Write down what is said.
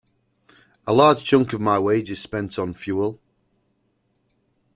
A large chunk of my wage is spent on fuel.